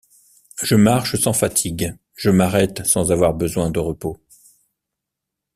Je marche sans fatigue, je m’arrête sans avoir besoin de repos!